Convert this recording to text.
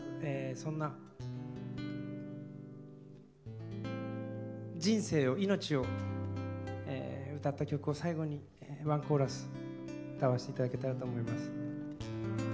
そんな人生を命を歌った曲を最後にワンコーラス歌わせていただけたらと思います。